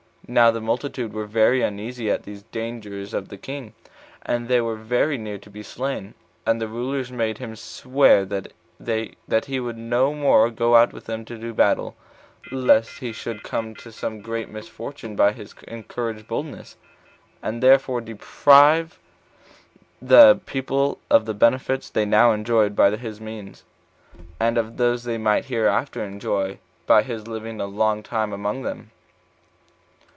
Now the multitude were very uneasy at these dangers of the king, and that he was very near to be slain; and the rulers made him swear that he would no more go out with them to battle, lest he should come to some great misfortune by his courage and boldness, and thereby deprive the people of the benefits they now enjoyed by his means, and of those that they might hereafter enjoy by his living a long time among them.